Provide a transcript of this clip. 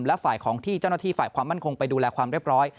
และฝ่ายของที่เจ้าหน้าที่ฝ่ายความมั่นคงไปดูแลความเรียบร้อย